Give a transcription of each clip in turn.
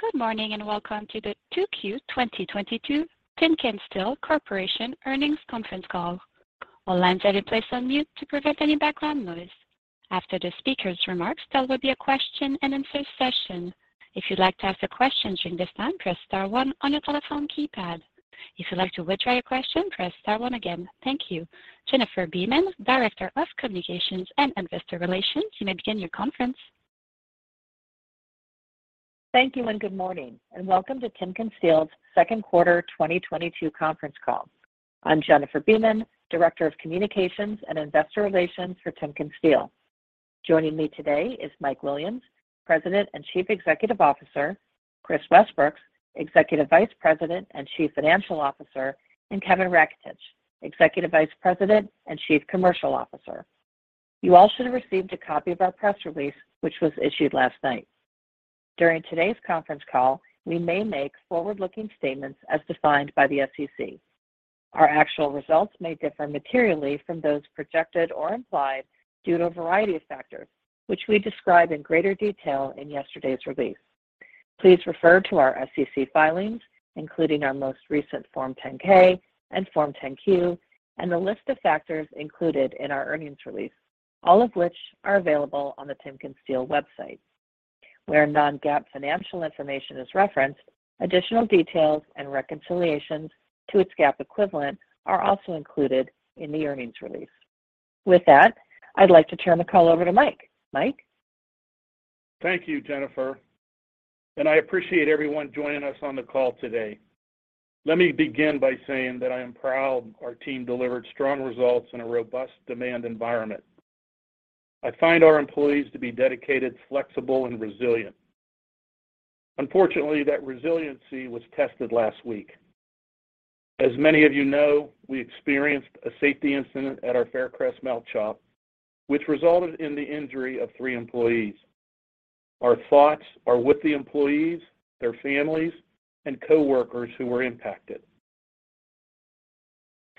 Good morning, and welcome to the 2Q 2022 TimkenSteel Inc. earnings conference call. All lines are in place on mute to prevent any background noise. After the speakers' remarks, there will be a question-and-answer session. If you'd like to ask a question during this time, press star 1 on your telephone keypad. If you'd like to withdraw your question, press star 1 again. Thank you. Jennifer Beeman, Director of Communications and Investor Relations, you may begin your conference. Thank you, and good morning, and welcome to Metallus Inc.'s second quarter 2022 conference call. I'm Jennifer Beeman, Director of Communications and Investor Relations for Metallus Inc. Joining me today is Mike Williams, President and Chief Executive Officer, Kris Westbrooks, President and Chief Operating Officer, and Kevin Raketich, Executive Vice President and Chief Commercial Officer. You all should have received a copy of our press release, which was issued last night. During today's conference call, we may make forward-looking statements as defined by the SEC. Our actual results may differ materially from those projected or implied due to a variety of factors, which we describe in greater detail in yesterday's release. Please refer to our SEC filings, including our most recent Form 10-K and Form 10-Q, and the list of factors included in our earnings release, all of which are available on the Metallus Inc. website. Where non-GAAP financial information is referenced, additional details and reconciliations to its GAAP equivalent are also included in the earnings release. With that, I'd like to turn the call over to Mike. Mike? Thank you, Jennifer, and I appreciate everyone joining us on the call today. Let me begin by saying that I am proud our team delivered strong results in a robust demand environment. I find our employees to be dedicated, flexible, and resilient. Unfortunately, that resiliency was tested last week. As many of you know, we experienced a safety incident at our Faircrest melt shop, which resulted in the injury of three employees. Our thoughts are with the employees, their families, and coworkers who were impacted.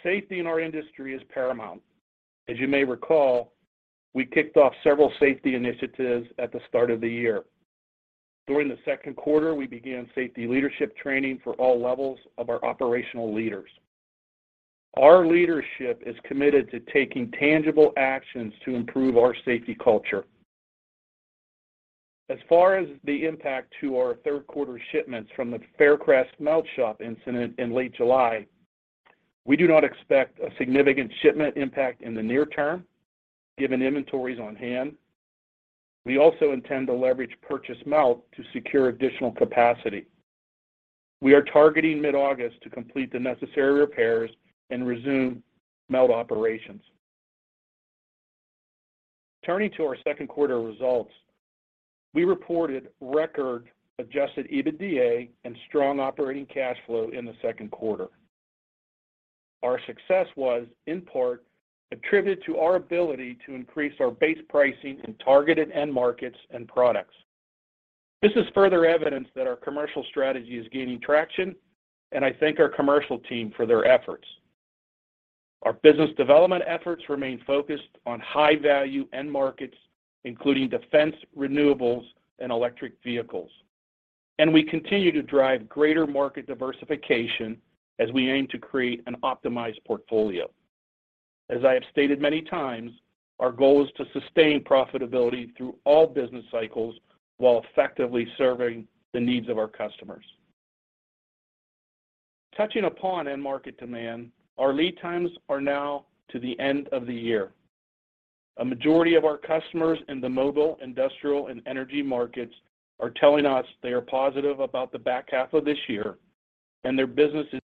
Safety in our industry is paramount. As you may recall, we kicked off several safety initiatives at the start of the year. During the second quarter, we began safety leadership training for all levels of our operational leaders. Our leadership is committed to taking tangible actions to improve our safety culture. As far as the impact to our third quarter shipments from the Faircrest melt shop incident in late July, we do not expect a significant shipment impact in the near term, given inventories on hand. We also intend to leverage purchased melt to secure additional capacity. We are targeting mid-August to complete the necessary repairs and resume melt operations. Turning to our second quarter results, we reported record adjusted EBITDA and strong operating cash flow in the second quarter. Our success was, in part, attributed to our ability to increase our base pricing in targeted end markets and products. This is further evidence that our commercial strategy is gaining traction, and I thank our commercial team for their efforts. Our business development efforts remain focused on high-value end markets, including defense, renewables, and electric vehicles. We continue to drive greater market diversification as we aim to create an optimized portfolio. As I have stated many times, our goal is to sustain profitability through all business cycles while effectively serving the needs of our customers. Touching upon end market demand, our lead times are now to the end of the year. A majority of our customers in the mobile, industrial, and energy markets are telling us they are positive about the back half of this year and their business is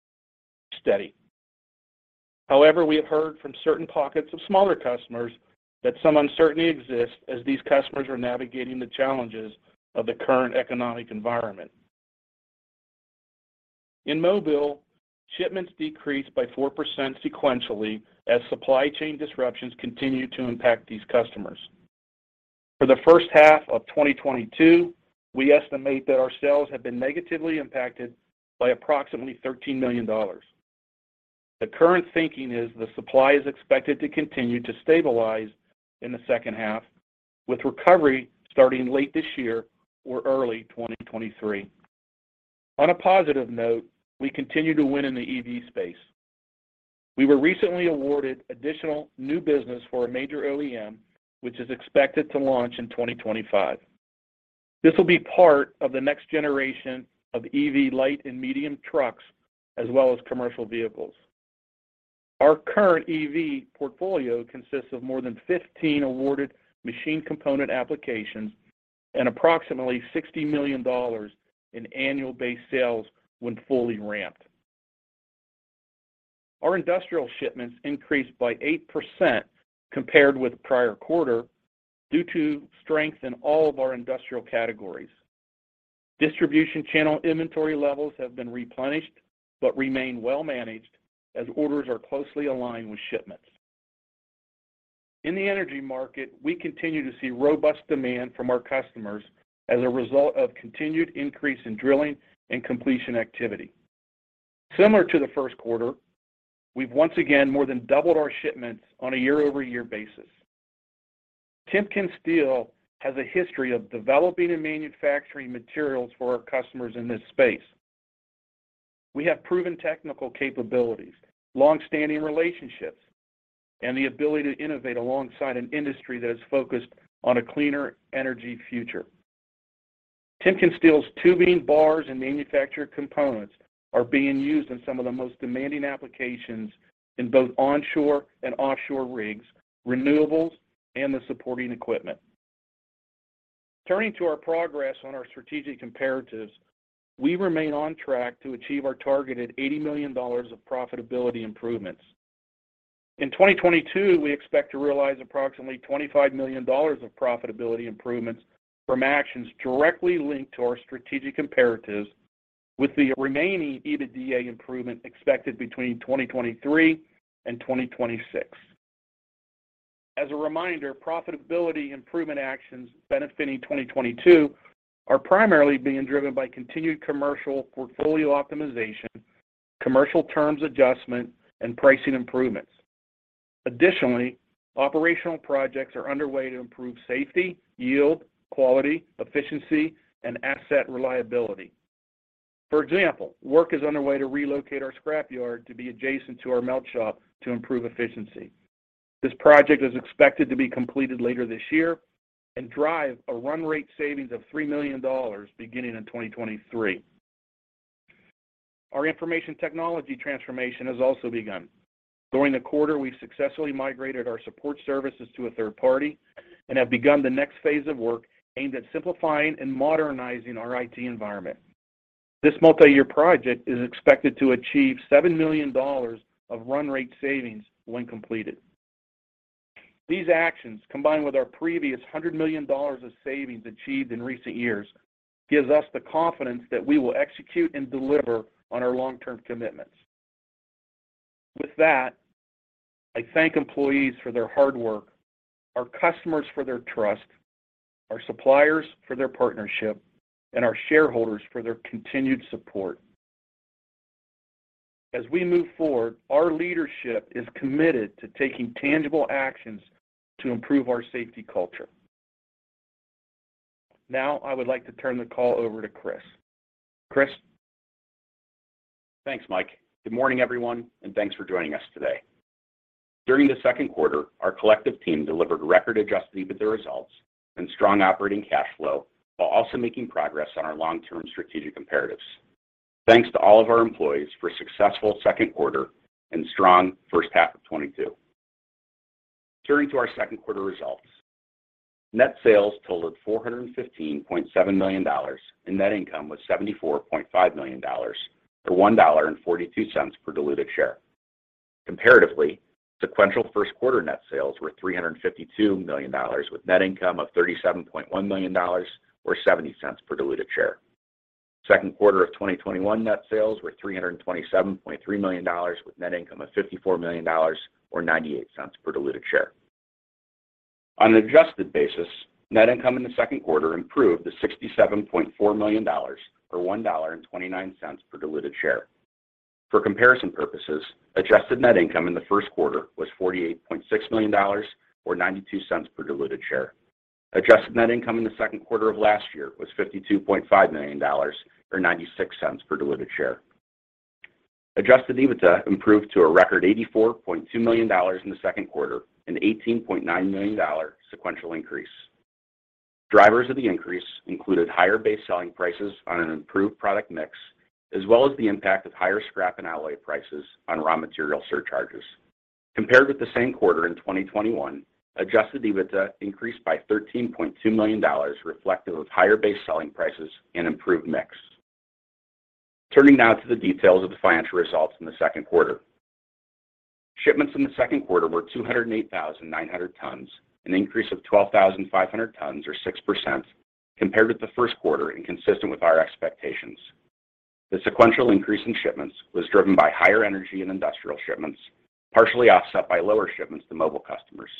steady. However, we have heard from certain pockets of smaller customers that some uncertainty exists as these customers are navigating the challenges of the current economic environment. In mobile, shipments decreased by 4% sequentially as supply chain disruptions continue to impact these customers. For the first half of 2022, we estimate that our sales have been negatively impacted by approximately $13 million. The current thinking is the supply is expected to continue to stabilize in the second half, with recovery starting late this year or early 2023. On a positive note, we continue to win in the EV space. We were recently awarded additional new business for a major OEM, which is expected to launch in 2025. This will be part of the next generation of EV light and medium trucks as well as commercial vehicles. Our current EV portfolio consists of more than 15 awarded machine component applications and approximately $60 million in annual base sales when fully ramped. Our industrial shipments increased by 8% compared with the prior quarter due to strength in all of our industrial categories. Distribution channel inventory levels have been replenished but remain well managed as orders are closely aligned with shipments. In the energy market, we continue to see robust demand from our customers as a result of continued increase in drilling and completion activity. Similar to the first quarter, we've once again more than doubled our shipments on a year-over-year basis. TimkenSteel has a history of developing and manufacturing materials for our customers in this space. We have proven technical capabilities, long-standing relationships, and the ability to innovate alongside an industry that is focused on a cleaner energy future. TimkenSteel's tubing bars and manufactured components are being used in some of the most demanding applications in both onshore and offshore rigs, renewables, and the supporting equipment. Turning to our progress on our strategic imperatives, we remain on track to achieve our targeted $80 million of profitability improvements. In 2022, we expect to realize approximately $25 million of profitability improvements from actions directly linked to our strategic imperatives, with the remaining EBITDA improvement expected between 2023 and 2026. As a reminder, profitability improvement actions benefiting 2022 are primarily being driven by continued commercial portfolio optimization, commercial terms adjustment, and pricing improvements. Additionally, operational projects are underway to improve safety, yield, quality, efficiency, and asset reliability. For example, work is underway to relocate our scrap yard to be adjacent to our melt shop to improve efficiency. This project is expected to be completed later this year and drive a run rate savings of $3 million beginning in 2023. Our information technology transformation has also begun. During the quarter, we've successfully migrated our support services to a third party and have begun the next phase of work aimed at simplifying and modernizing our IT environment. This multi-year project is expected to achieve $7 million of run rate savings when completed. These actions, combined with our previous $100 million of savings achieved in recent years, gives us the confidence that we will execute and deliver on our long-term commitments. With that, I thank employees for their hard work, our customers for their trust, our suppliers for their partnership, and our shareholders for their continued support. As we move forward, our leadership is committed to taking tangible actions to improve our safety culture. Now, I would like to turn the call over to Kris. Kris? Thanks, Mike. Good morning, everyone, and thanks for joining us today. During the second quarter, our collective team delivered record-adjusted EBITDA results and strong operating cash flow while also making progress on our long-term strategic imperatives. Thanks to all of our employees for a successful second quarter and strong first half of 2022. Turning to our second quarter results. Net sales totaled $415.7 million, and net income was $74.5 million, or $1.42 per diluted share. Comparatively, sequential first quarter net sales were $352 million, with net income of $37.1 million or $0.70 per diluted share. Second quarter of 2021 net sales were $327.3 million, with net income of $54 million or $0.98 per diluted share. On an adjusted basis, net income in the second quarter improved to $67.4 million, or $1.29 per diluted share. For comparison purposes, adjusted net income in the first quarter was $48.6 million or $0.92 per diluted share. Adjusted net income in the second quarter of last year was $52.5 million or $0.96 per diluted share. Adjusted EBITDA improved to a record $84.2 million in the second quarter, an $18.9 million sequential increase. Drivers of the increase included higher base selling prices on an improved product mix, as well as the impact of higher scrap and alloy prices on raw material surcharges. Compared with the same quarter in 2021, adjusted EBITDA increased by $13.2 million, reflective of higher base selling prices and improved mix. Turning now to the details of the financial results in the second quarter. Shipments in the second quarter were 208,900 tons, an increase of 12,500 tons or 6% compared with the first quarter and consistent with our expectations. The sequential increase in shipments was driven by higher energy in industrial shipments, partially offset by lower shipments to mobile customers.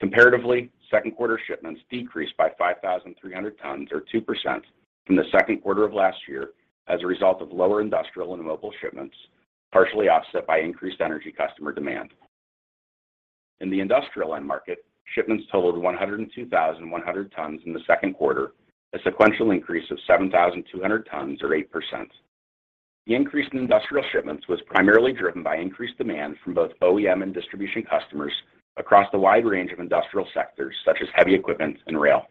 Comparatively, second-quarter shipments decreased by 5,300 tons or 2% from the second quarter of last year as a result of lower industrial and mobile shipments, partially offset by increased energy customer demand. In the industrial end market, shipments totaled 102,100 tons in the second quarter, a sequential increase of 7,200 tons or 8%. The increase in industrial shipments was primarily driven by increased demand from both OEM and distribution customers across the wide range of industrial sectors such as heavy equipment and rail.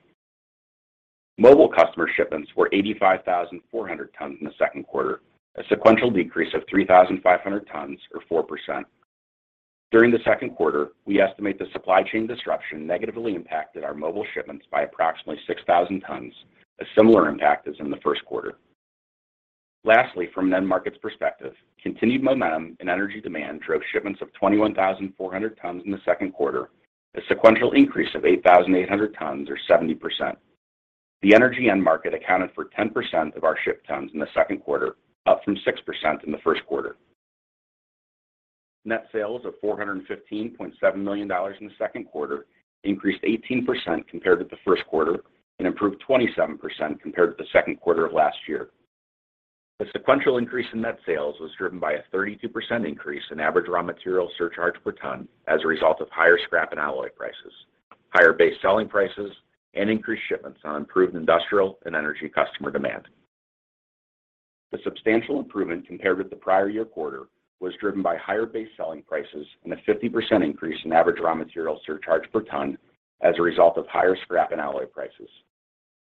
Mobile customer shipments were 85,400 tons in the second quarter, a sequential decrease of 3,500 tons or 4%. During the second quarter, we estimate the supply chain disruption negatively impacted our mobile shipments by approximately 6,000 tons, a similar impact as in the first quarter. Lastly, from an end markets perspective, continued momentum in energy demand drove shipments of 21,400 tons in the second quarter, a sequential increase of 8,800 tons or 70%. The energy end market accounted for 10% of our shipped tons in the second quarter, up from 6% in the first quarter. Net sales of $415.7 million in the second quarter increased 18% compared with the first quarter and improved 27% compared with the second quarter of last year. The sequential increase in net sales was driven by a 32% increase in average raw material surcharge per ton as a result of higher scrap and alloy prices, higher base selling prices, and increased shipments on improved industrial and energy customer demand. The substantial improvement compared with the prior year quarter was driven by higher base selling prices and a 50% increase in average raw material surcharge per ton as a result of higher scrap and alloy prices.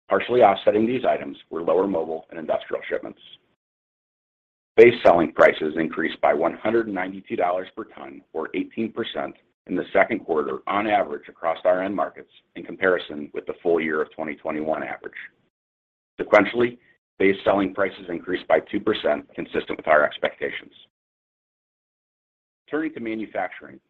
Partially offsetting these items were lower mobile and industrial shipments. Base selling prices increased by $192 per ton, or 18%, in the second quarter on average across our end markets in comparison with the full year of 2021 average. Sequentially, base selling prices increased by 2%, consistent with our expectations. Turning to manufacturing,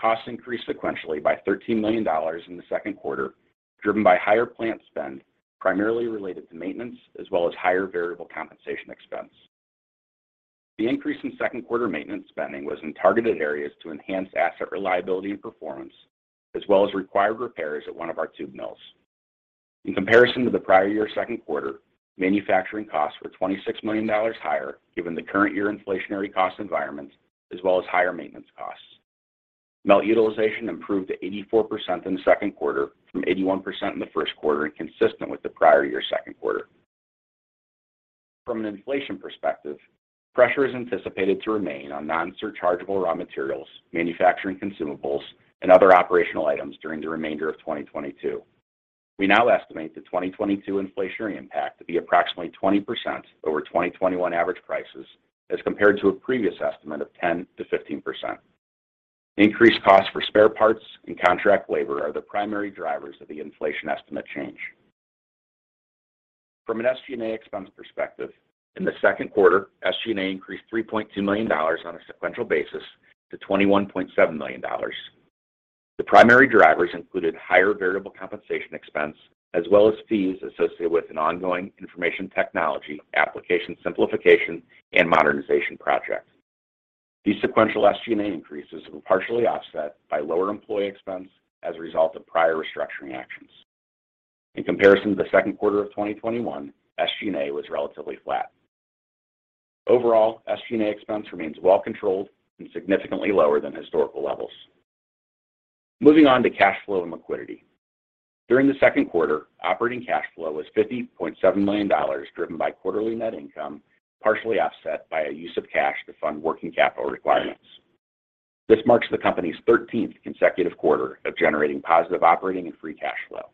costs increased sequentially by $13 million in the second quarter, driven by higher plant spend, primarily related to maintenance, as well as higher variable compensation expense. The increase in second quarter maintenance spending was in targeted areas to enhance asset reliability and performance, as well as required repairs at one of our tube mills. In comparison to the prior year second quarter, manufacturing costs were $26 million higher, given the current year inflationary cost environment, as well as higher maintenance costs. Melt utilization improved to 84% in the second quarter from 81% in the first quarter and consistent with the prior year second quarter. From an inflation perspective, pressure is anticipated to remain on non-surchargeable raw materials, manufacturing consumables, and other operational items during the remainder of 2022. We now estimate the 2022 inflationary impact to be approximately 20% over 2021 average prices as compared to a previous estimate of 10%-15%. Increased costs for spare parts and contract labor are the primary drivers of the inflation estimate change. From an SG&A expense perspective, in the second quarter, SG&A increased $3.2 million on a sequential basis to $21.7 million. The primary drivers included higher variable compensation expense as well as fees associated with an ongoing information technology application simplification and modernization project. These sequential SG&A increases were partially offset by lower employee expense as a result of prior restructuring actions. In comparison to the second quarter of 2021, SG&A was relatively flat. Overall, SG&A expense remains well controlled and significantly lower than historical levels. Moving on to cash flow and liquidity. During the second quarter, operating cash flow was $50.7 million driven by quarterly net income, partially offset by a use of cash to fund working capital requirements. This marks the company's 13th consecutive quarter of generating positive operating and free cash flow.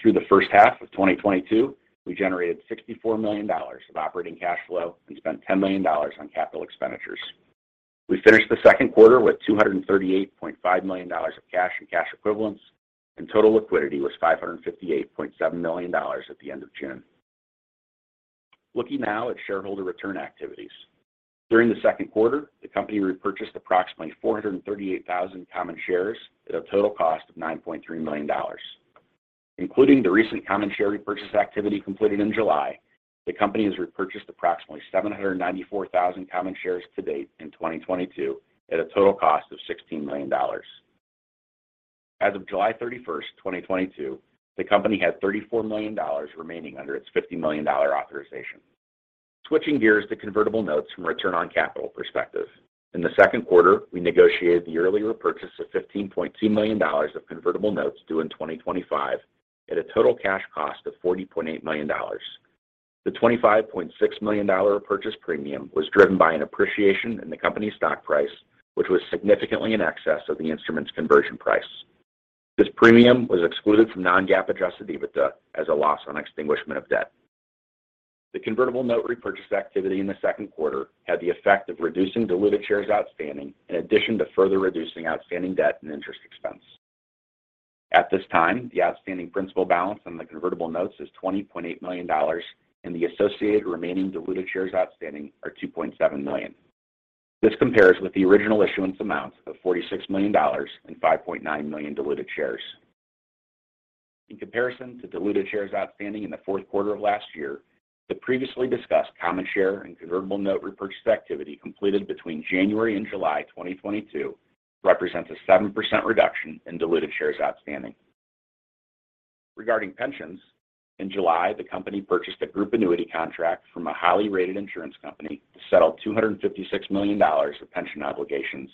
Through the first half of 2022, we generated $64 million of operating cash flow and spent $10 million on capital expenditures. We finished the second quarter with $238.5 million of cash and cash equivalents, and total liquidity was $558.7 million at the end of June. Looking now at shareholder return activities. During the second quarter, the company repurchased approximately 438,000 common shares at a total cost of $9.3 million. Including the recent common share repurchase activity completed in July, the company has repurchased approximately 794,000 common shares to date in 2022 at a total cost of $16 million. As of July 31, 2022, the company had $34 million remaining under its $50 million authorization. Switching gears to convertible notes from a return on capital perspective. In the second quarter, we negotiated the early repurchase of $15.2 million of convertible notes due in 2025 at a total cash cost of $40.8 million. The $25.6 million repurchase premium was driven by an appreciation in the company's stock price, which was significantly in excess of the instrument's conversion price. This premium was excluded from non-GAAP adjusted EBITDA as a loss on extinguishment of debt. The convertible note repurchase activity in the second quarter had the effect of reducing diluted shares outstanding in addition to further reducing outstanding debt and interest expense. At this time, the outstanding principal balance on the convertible notes is $20.8 million, and the associated remaining diluted shares outstanding are 2.7 million. This compares with the original issuance amount of $46 million and 5.9 million diluted shares. In comparison to diluted shares outstanding in the fourth quarter of last year, the previously discussed common share and convertible note repurchase activity completed between January and July 2022 represents a 7% reduction in diluted shares outstanding. Regarding pensions, in July, the company purchased a group annuity contract from a highly rated insurance company to settle $256 million of pension obligations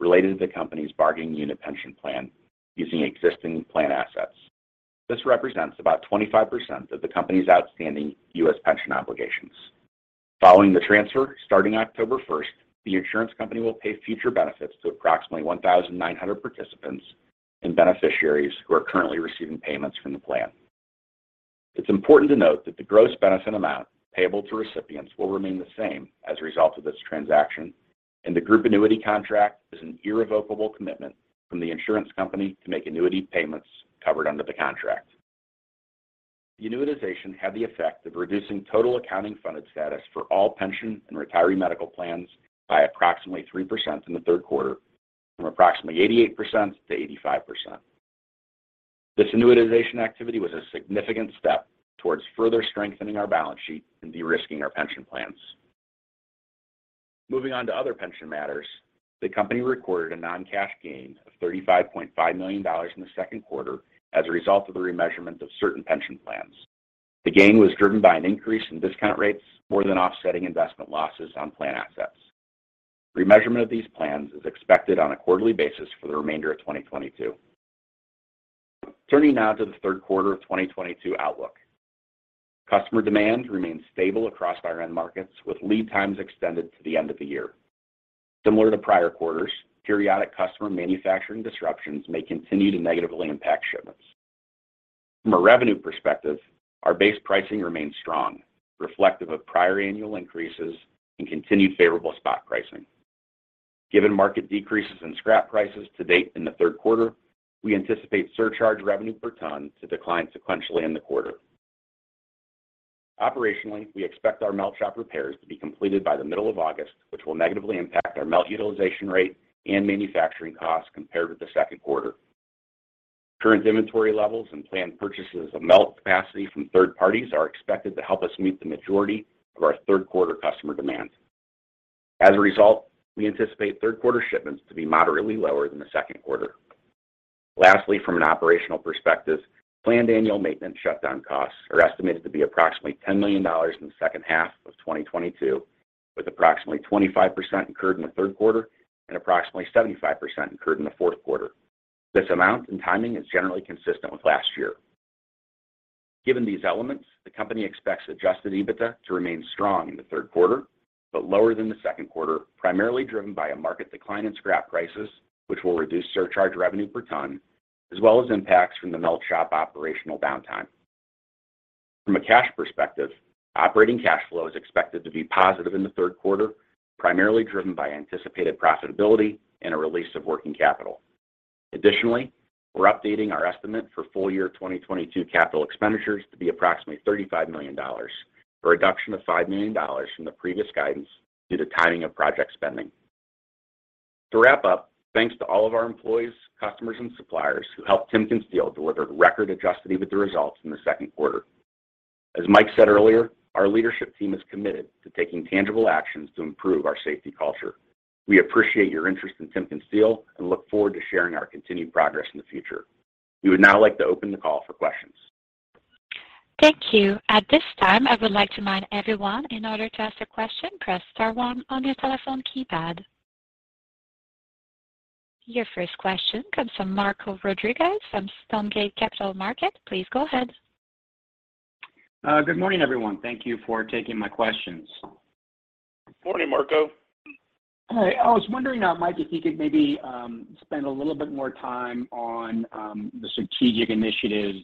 related to the company's bargaining unit pension plan using existing plan assets. This represents about 25% of the company's outstanding U.S. pension obligations. Following the transfer, starting October 1, the insurance company will pay future benefits to approximately 1,900 participants and beneficiaries who are currently receiving payments from the plan. It's important to note that the gross benefit amount payable to recipients will remain the same as a result of this transaction, and the group annuity contract is an irrevocable commitment from the insurance company to make annuity payments covered under the contract. The annuitization had the effect of reducing total accounting funded status for all pension and retiree medical plans by approximately 3% in the third quarter, from approximately 88% to 85%. This annuitization activity was a significant step towards further strengthening our balance sheet and de-risking our pension plans. Moving on to other pension matters, the company recorded a non-cash gain of $35.5 million in the second quarter as a result of the remeasurement of certain pension plans. The gain was driven by an increase in discount rates more than offsetting investment losses on plan assets. Remeasurement of these plans is expected on a quarterly basis for the remainder of 2022. Turning now to the third quarter of 2022 outlook. Customer demand remains stable across our end markets, with lead times extended to the end of the year. Similar to prior quarters, periodic customer manufacturing disruptions may continue to negatively impact shipments. From a revenue perspective, our base pricing remains strong, reflective of prior annual increases and continued favorable spot pricing. Given market decreases in scrap prices to date in the third quarter, we anticipate surcharge revenue per ton to decline sequentially in the quarter. Operationally, we expect our melt shop repairs to be completed by the middle of August, which will negatively impact our melt utilization rate and manufacturing costs compared with the second quarter. Current inventory levels and planned purchases of melt capacity from third parties are expected to help us meet the majority of our third quarter customer demands. As a result, we anticipate third quarter shipments to be moderately lower than the second quarter. Lastly, from an operational perspective, planned annual maintenance shutdown costs are estimated to be approximately $10 million in the second half of 2022, with approximately 25% incurred in the third quarter and approximately 75% incurred in the fourth quarter. This amount and timing is generally consistent with last year. Given these elements, the company expects adjusted EBITDA to remain strong in the third quarter, but lower than the second quarter, primarily driven by a market decline in scrap prices, which will reduce surcharge revenue per ton, as well as impacts from the melt shop operational downtime. From a cash perspective, operating cash flow is expected to be positive in the third quarter, primarily driven by anticipated profitability and a release of working capital. We're updating our estimate for full year 2022 capital expenditures to be approximately $35 million, a reduction of $5 million from the previous guidance due to timing of project spending. To wrap up, thanks to all of our employees, customers, and suppliers who helped Metallus deliver record adjusted EBITDA results in the second quarter. As Mike said earlier, our leadership team is committed to taking tangible actions to improve our safety culture. We appreciate your interest in Metallus and look forward to sharing our continued progress in the future. We would now like to open the call for questions. Thank you. At this time, I would like to remind everyone, in order to ask a question, press star 1 on your telephone keypad. Your first question comes from Marco Rodriguez from Stonegate Capital Markets. Please go ahead. Good morning, everyone. Thank you for taking my questions. Morning, Marco. Hi. I was wondering, Mike, if you could maybe spend a little bit more time on the strategic initiatives?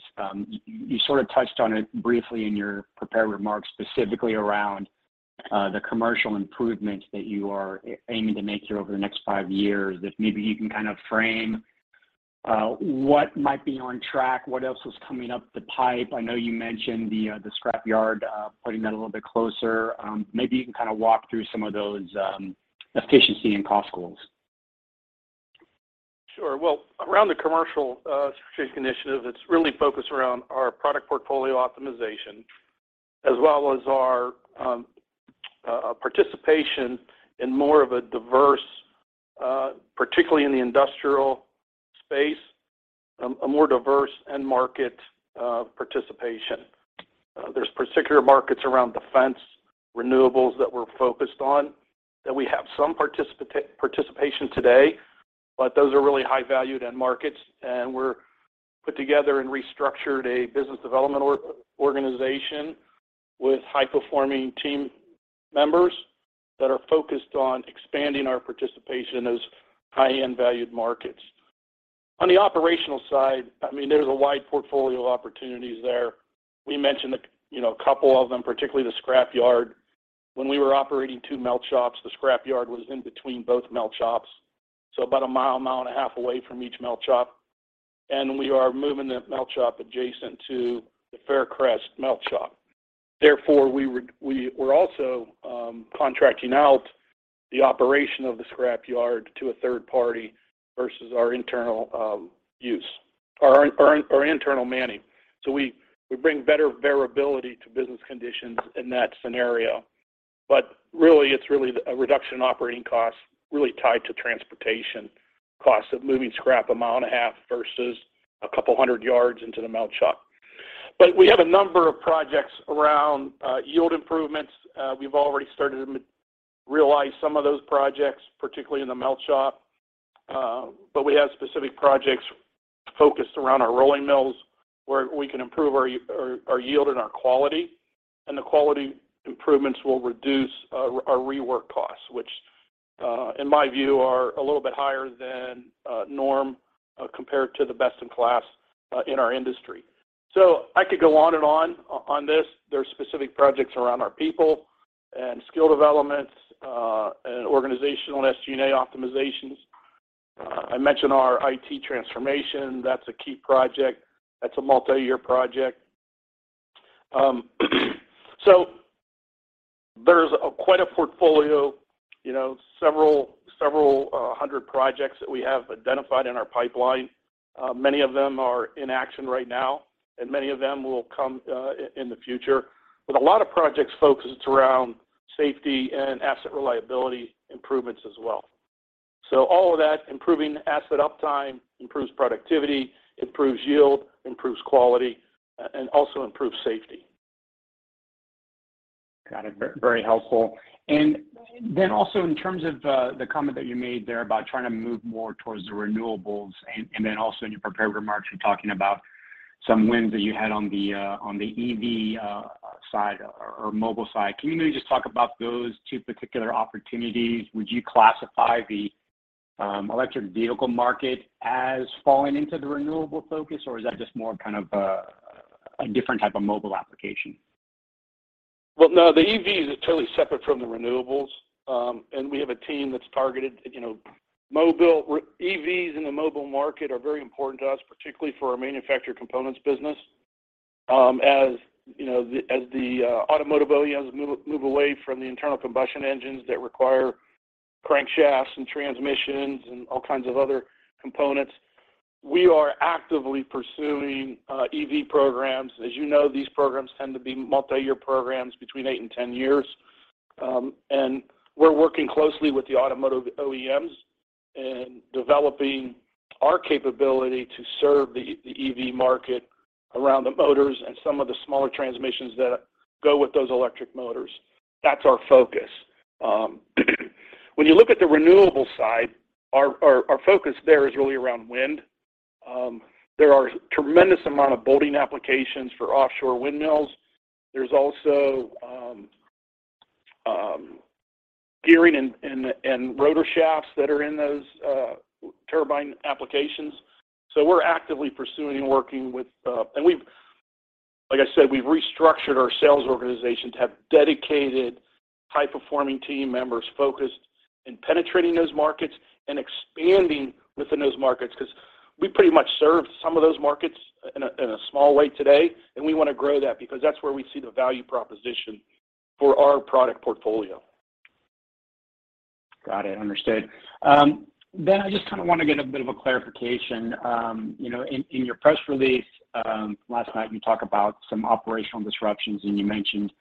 You sort of touched on it briefly in your prepared remarks, specifically around the commercial improvements that you are aiming to make here over the next 5 years. If maybe you can kind of frame what might be on track, what else was coming up the pike. I know you mentioned the scrap yard, putting that a little bit closer. Maybe you can kind of walk through some of those efficiency and cost goals? Sure. Well, around the commercial strategic initiative, it's really focused around our product portfolio optimization as well as our participation in more of a diverse, particularly in the industrial space, a more diverse end market participation. There's particular markets around defense renewables that we're focused on that we have some participation today, but those are really high-value end markets, and we put together and restructured a business development organization with high-performing team members that are focused on expanding our participation in those high-end valued markets. On the operational side, I mean, there's a wide portfolio of opportunities there. We mentioned a, you know, couple of them, particularly the scrap yard. When we were operating two melt shops, the scrap yard was in between both melt shops, so about 1.5 mi away from each melt shop, and we are moving the melt shop adjacent to the Faircrest melt shop. Therefore, we're also contracting out the operation of the scrap yard to a third party versus our internal use or our internal manning. We bring better variability to business conditions in that scenario. Really, it's really a reduction in operating costs really tied to transportation costs of moving scrap 1.5 mi versus 200 yd into the melt shop. We have a number of projects around yield improvements. We've already started to realize some of those projects, particularly in the melt shop. We have specific projects focused around our rolling mills where we can improve our yield and our quality. The quality improvements will reduce our rework costs, which, in my view, are a little bit higher than norm compared to the best in class in our industry. I could go on and on on this. There are specific projects around our people and skill developments and organizational SG&A optimizations. I mentioned our IT transformation. That's a key project. That's a multiyear project. There's quite a portfolio, you know, several hundred projects that we have identified in our pipeline. Many of them are in action right now, and many of them will come in the future. With a lot of projects focused around safety and asset reliability improvements as well. All of that improving asset uptime improves productivity, improves yield, improves quality, and also improves safety. Got it. Very helpful. Also in terms of the comment that you made there about trying to move more towards the renewables and then also in your prepared remarks, you're talking about some wins that you had on the EV side or mobile side. Can you maybe just talk about those two particular opportunities? Would you classify the electric vehicle market as falling into the renewable focus, or is that just more kind of a different type of mobile application? Well, no, the EVs are totally separate from the renewables. We have a team that's targeted, you know, mobile EVs in the mobile market are very important to us, particularly for our manufactured components business. As you know, as the automotive OEMs move away from the internal combustion engines that require crankshafts and transmissions and all kinds of other components, we are actively pursuing EV programs. As you know, these programs tend to be multiyear programs between 8 and 10 years. We're working closely with the automotive OEMs and developing our capability to serve the EV market around the motors and some of the smaller transmissions that go with those electric motors. That's our focus. When you look at the renewable side, our focus there is really around wind. There are tremendous amount of bolting applications for offshore windmills. There's also gearing and rotor shafts that are in those turbine applications. We're actively pursuing and working with. Like I said, we've restructured our sales organization to have dedicated high-performing team members focused in penetrating those markets and expanding within those markets because we pretty much serve some of those markets in a small way today, and we want to grow that because that's where we see the value proposition for our product portfolio. Got it. Understood. I just kind of want to get a bit of a clarification. You know, in your press release last night, you talked about some operational disruptions, and you mentioned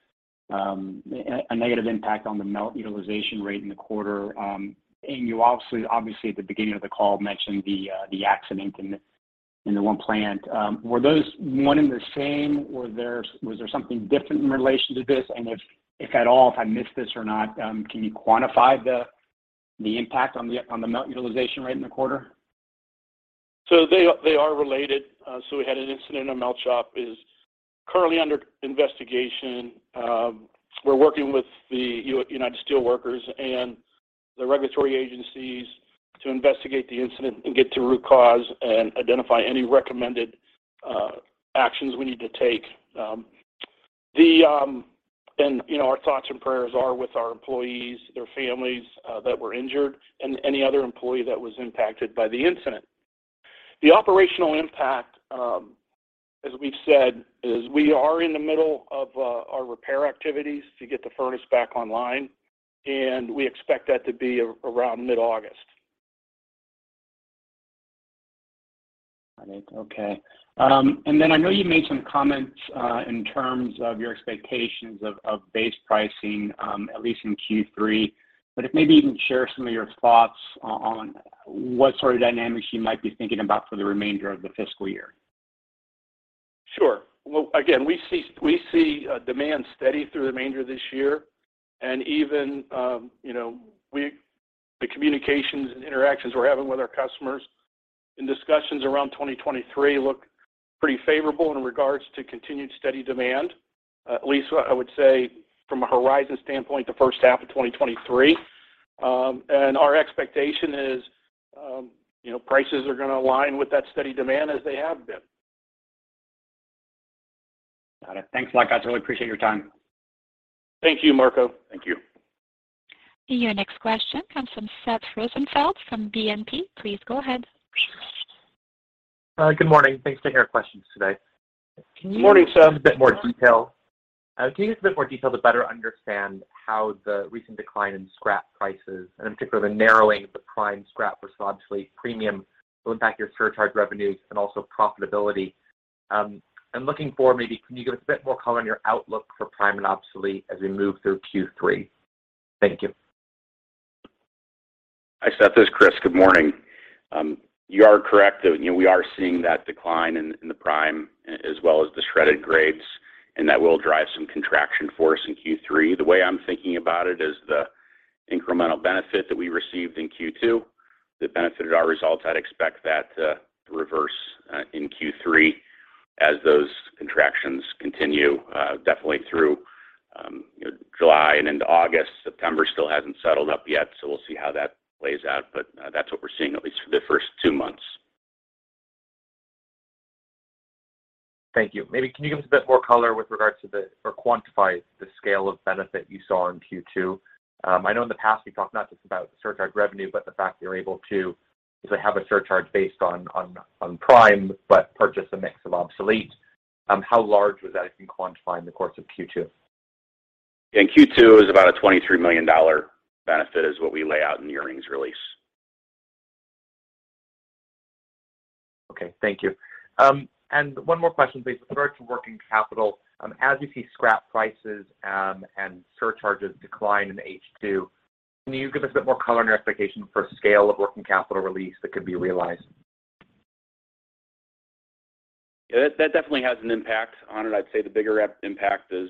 a negative impact on the melt utilization rate in the quarter. You obviously at the beginning of the call mentioned the accident in the one plant. Were those one and the same? Was there something different in relation to this? If at all, if I missed this or not, can you quantify the impact on the melt utilization rate in the quarter? They are related. We had an incident in a melt shop. It is currently under investigation. We're working with the United Steelworkers and the regulatory agencies to investigate the incident and get to root cause and identify any recommended actions we need to take. You know, our thoughts and prayers are with our employees, their families that were injured and any other employee that was impacted by the incident. The operational impact, as we've said, is we are in the middle of our repair activities to get the furnace back online, and we expect that to be around mid-August. Got it. Okay. I know you made some comments in terms of your expectations of base pricing at least in Q3. If maybe you can share some of your thoughts on what sort of dynamics you might be thinking about for the remainder of the fiscal year. Sure. Well, again, we see demand steady through the remainder of this year. Even, you know, the communications and interactions we're having with our customers and discussions around 2023 look pretty favorable in regards to continued steady demand, at least I would say from a horizon standpoint, the first half of 2023. Our expectation is, you know, prices are gonna align with that steady demand as they have been. Got it. Thanks a lot, guys. Really appreciate your time. Thank you, Marco. Thank you. Your next question comes from Seth Rosenfeld from BNP. Please go ahead. Hi. Good morning. Thanks for taking our questions today. Good morning, Seth. Can you give us a bit more detail to better understand how the recent decline in scrap prices and in particular the narrowing of the prime scrap versus obsolete premium will impact your surcharge revenues and also profitability? Looking forward maybe, can you give us a bit more color on your outlook for prime and obsolete as we move through Q3? Thank you. Hi, Seth. This is Kris. Good morning. You are correct that, you know, we are seeing that decline in the prime as well as the shredded grades, and that will drive some contraction for us in Q3. The way I'm thinking about it is the incremental benefit that we received in Q2 that benefited our results. I'd expect that to reverse in Q3 as those contractions continue definitely through, you know, July and into August. September still hasn't settled up yet, so we'll see how that plays out. That's what we're seeing at least for the first two months. Thank you. Maybe can you give us a bit more color with regards to or quantify the scale of benefit you saw in Q2? I know in the past you talked not just about the surcharge revenue, but the fact that you're able to have a surcharge based on prime, but purchase a mix of obsolete. How large was that, if you can quantify, in the course of Q2? In Q2 is about a $23 million benefit is what we lay out in the earnings release. Okay. Thank you. One more question please. Refer to working capital, as you see scrap prices and surcharges decline in H2, can you give us a bit more color on your expectation for scale of working capital release that could be realized? Yeah, that definitely has an impact on it. I'd say the bigger impact is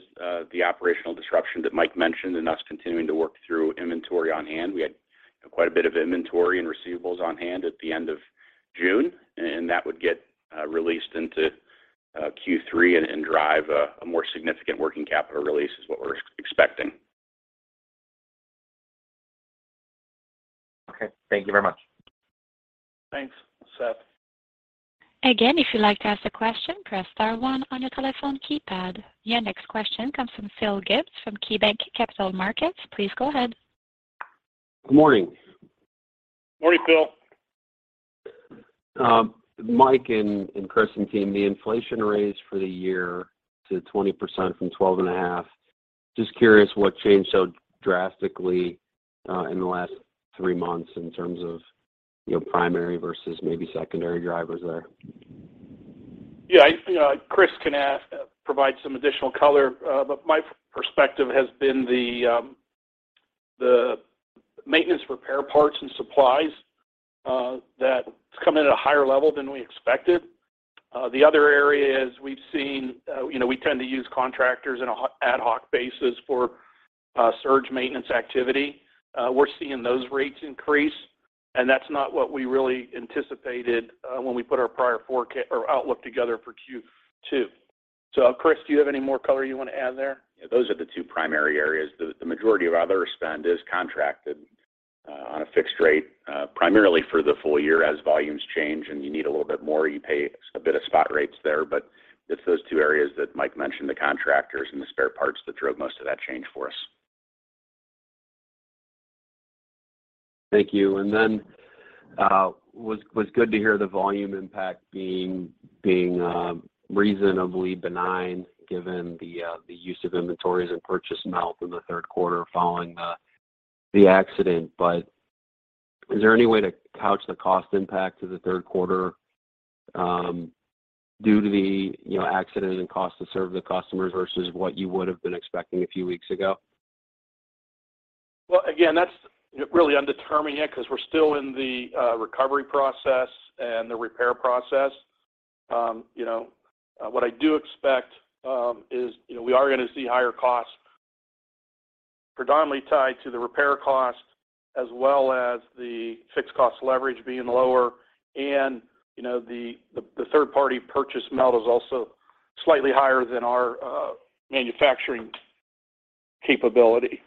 the operational disruption that Mike mentioned and us continuing to work through inventory on hand. We had quite a bit of inventory and receivables on hand at the end of June, and that would get released into Q3 and drive a more significant working capital release is what we're expecting. Okay. Thank you very much. Thanks, Seth. Again, if you'd like to ask a question, press star one on your telephone keypad. Your next question comes from Philip Gibbs from KeyBanc Capital Markets. Please go ahead. Good morning. Morning, Phil. Mike and Kris and team, the inflation rates for the year to 20% from 12.5. Just curious what changed so drastically in the last three months in terms of, you know, primary versus maybe secondary drivers there? Yeah, you know, Kris can provide some additional color. My perspective has been the maintenance repair parts and supplies, that's come in at a higher level than we expected. The other area is we've seen, you know, we tend to use contractors on an ad hoc basis for surge maintenance activity. We're seeing those rates increase, and that's not what we really anticipated when we put our prior forecast or outlook together for Q2. Kris, do you have any more color you want to add there? Yeah. Those are the two primary areas. The majority of other spend is contracted on a fixed rate primarily for the full year. As volumes change and you need a little bit more, you pay a bit of spot rates there. It's those two areas that Mike mentioned, the contractors and the spare parts that drove most of that change for us. Thank you. It was good to hear the volume impact being reasonably benign given the use of inventories and purchased melt in the third quarter following the accident. Is there any way to couch the cost impact to the third quarter due to the accident and cost to serve the customers versus what you would have been expecting a few weeks ago? Well, again, that's you know really undetermined yet 'cause we're still in the recovery process and the repair process. You know what I do expect is you know we are gonna see higher costs predominantly tied to the repair cost as well as the fixed cost leverage being lower. You know the third party purchased melt is also slightly higher than our manufacturing capability.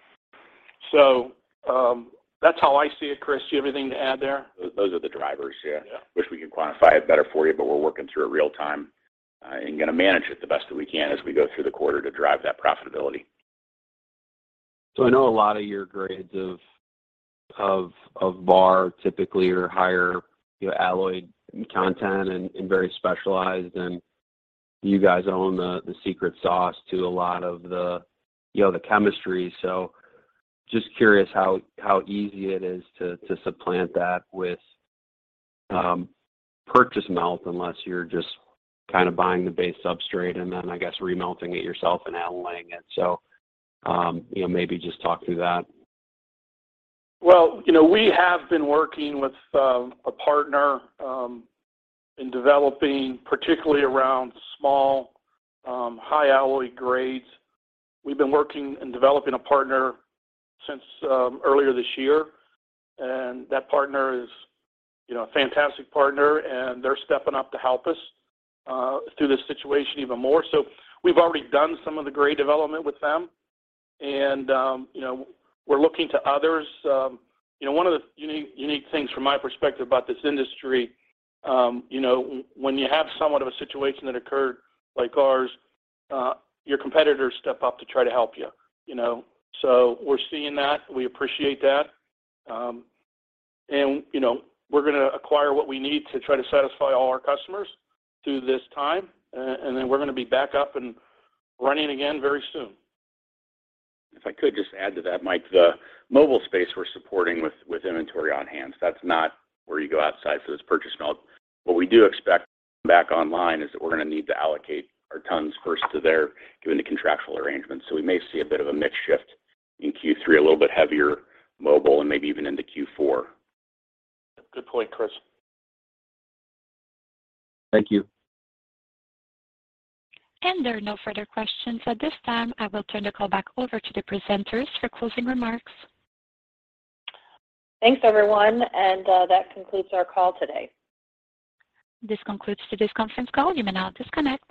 That's how I see it. Kris, do you have anything to add there? Those are the drivers. Yeah. Yeah. Wish we could quantify it better for you, but we're working through it real-time, and gonna manage it the best that we can as we go through the quarter to drive that profitability. I know a lot of your grades of bar typically are higher, you know, alloy content and very specialized, and you guys own the secret sauce to a lot of the, you know, the chemistry. Just curious how easy it is to supplant that with purchased melt unless you're just kind of buying the base substrate and then I guess remelting it yourself and alloying it. You know, maybe just talk through that. Well, you know, we have been working with a partner in developing particularly around small high alloy grades. We've been working with a partner in developing since earlier this year. That partner is, you know, a fantastic partner, and they're stepping up to help us through this situation even more. We've already done some of the grade development with them and, you know, we're looking to others. You know, one of the unique things from my perspective about this industry, you know, when you have somewhat of a situation that occurred like ours, your competitors step up to try to help you know. We're seeing that. We appreciate that. You know, we're gonna acquire what we need to try to satisfy all our customers through this time, and then we're gonna be back up and running again very soon. If I could just add to that, Mike. The mobile space we're supporting with inventory on hand. That's not where you go outside. It's purchased melt. What we do expect back online is that we're gonna need to allocate our tons first to there given the contractual arrangements. We may see a bit of a mix shift in Q3, a little bit heavier mobile and maybe even into Q4. Good point, Kris. Thank you. There are no further questions. At this time, I will turn the call back over to the presenters for closing remarks. Thanks, everyone. That concludes our call today. This concludes today's conference call. You may now disconnect.